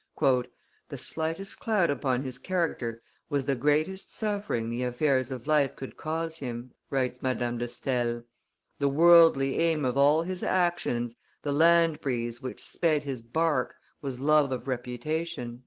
"The slightest cloud upon his character was the greatest suffering the affairs of life could cause him," writes Madame de Stael; "the worldly aim of all his actions, the land breeze which sped his bark, was love of reputation."